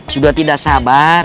sudah tidak sabar